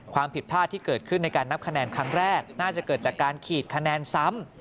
ความผิดพลาดที่เกิดขึ้นในการนับคะแนนครั้งแรกน่าจะเกิดจากการขีดคะแนนซ้ำ